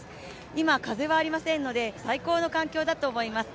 今、風はありませんので最高の環境だと思います。